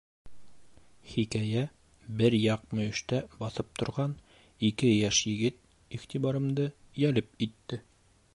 Хикәйә Бер яҡ мөйөштә баҫып торған ике йәш егет иғтибарымды йәлеп итте.